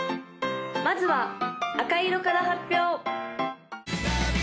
・まずは赤色から発表！